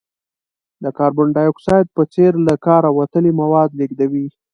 د کاربن ډای اکساید په څېر له کاره وتلي مواد لیږدوي.